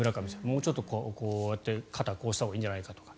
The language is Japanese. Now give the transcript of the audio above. もうちょっとこうやって肩をこうしたほうがいいんじゃないかとか。